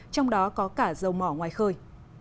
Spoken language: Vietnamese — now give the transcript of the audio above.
trong đó có cả dầu mỏ ngoài khơi